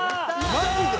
マジで？